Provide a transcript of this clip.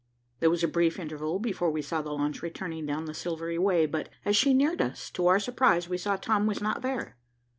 There was a brief interval before we saw the launch returning down the silvery way, but, as she neared us, to our surprise we saw Tom was not there.